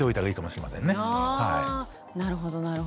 あなるほどなるほど。